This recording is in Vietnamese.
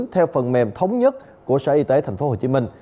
theo phần mềm thống nhất của sở y tế tp hcm